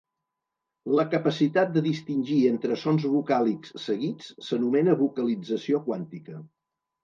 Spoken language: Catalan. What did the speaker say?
La capacitat de distingir entre sons vocàlics seguits s'anomena vocalització quàntica.